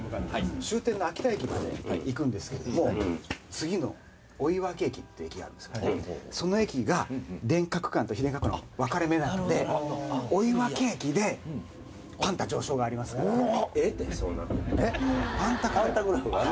終点の秋田駅まで行くんですけれども、次の追分駅っていう駅があるんですけど、その駅が電化区間と非電化区間の分かれ目なので、追分駅でパンタ上昇がありますから。